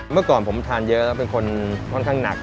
เมื่อก่อนผมทานเยอะแล้วเป็นคนค่อนข้างหนัก